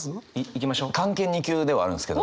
漢検２級ではあるんですけど。